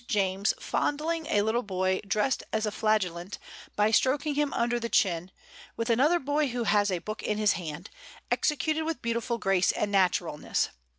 James fondling a little boy dressed as a Flagellant by stroking him under the chin, with another boy who has a book in his hand, executed with beautiful grace and naturalness.